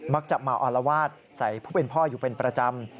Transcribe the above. จะมาอลวาดใส่ผู้เป็นพ่ออยู่เป็นประจำ